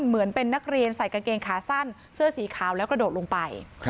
เหมือนเป็นนักเรียนใส่กางเกงขาสั้นเสื้อสีขาวแล้วกระโดดลงไป